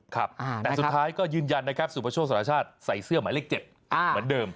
ครับแต่สุดท้ายก็ยืนยันนะครับสุประโชคสารชาติใส่เสื้อหมายเลข๗เหมือนเดิม